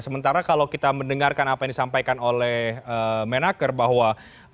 sementara kalau kita mendengarkan apa yang disampaikan oleh menaker bahwa